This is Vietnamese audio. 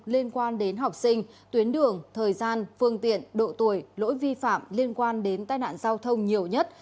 liên quan đến học sinh tuyến đường thời gian phương tiện độ tuổi lỗi vi phạm liên quan đến tai nạn giao thông nhiều nhất